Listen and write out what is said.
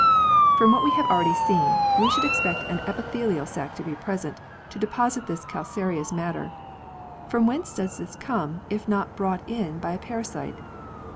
From what we have already seen, we should expect an epithelial sac to be present to deposit this cal careous matter; From whence does this come if not brought in by a parasite